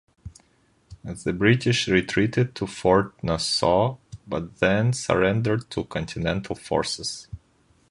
The British retreated to Fort Nassau, but then surrendered to Continental forces.